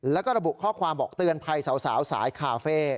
แล้วก็ระบุข้อความบอกเตือนภัยสาวสายคาเฟ่